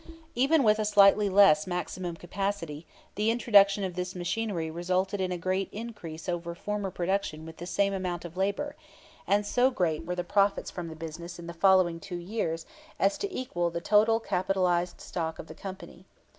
Even with a slightly less maximum capacity, the introduction of this machinery resulted in a great increase over former production with the same amount of labor; and so great were the profits from the business in the following two years as to equal the total capitalized stock of the company.